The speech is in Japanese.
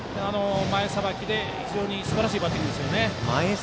前さばきで非常にすばらしいバッティングですよね。